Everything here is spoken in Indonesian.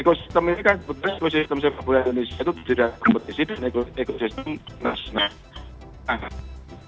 ekosistem ini kan sebutnya ekosistem sebuah bola indonesia itu tidak kompetisi dengan ekosistem tersebut